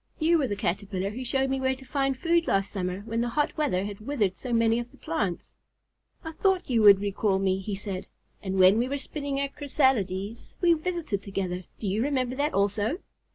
You were the Caterpillar who showed me where to find food last summer when the hot weather had withered so many of the plants." "I thought you would recall me," he said. "And when we were spinning our chrysalides we visited together. Do you remember that also?"